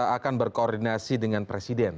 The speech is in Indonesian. akan berkoordinasi dengan presiden